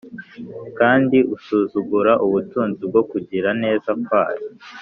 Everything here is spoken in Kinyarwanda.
kandi usuzugura ubutunzi bwo kugira neza kwayo